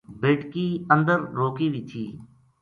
بیٹکی اندر روکی وی تھی۔